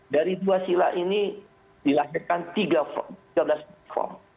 dari dua sila ini dilahirkan tiga belas platform